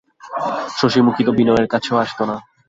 শশিমুখী তো বিনয়ের কাছেও আসিত না।